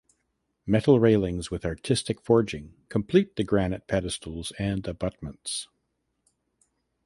Metal railings with artistic forging complete the granite pedestals and abutments.